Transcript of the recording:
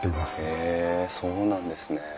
へえそうなんですね。